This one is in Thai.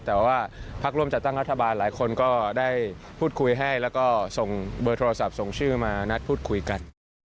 แต่ว่าพรรคร่จะตั้งรัฐบาลได้หลายคนก็พูดคุยให้ส่งเบอร์โทรศัพท์ส่งชื่อมาและนัดพูดคุยกัน